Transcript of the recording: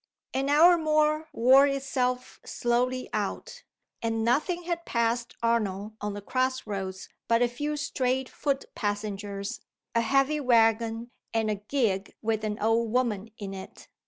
An hour more wore itself slowly out; and nothing had passed Arnold on the cross roads but a few stray foot passengers, a heavy wagon, and a gig with an old woman in it.